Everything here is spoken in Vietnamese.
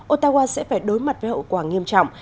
otawa sẽ phải đối mặt với hậu quả nghiêm trọng